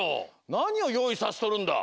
なにをよういさせとるんだ。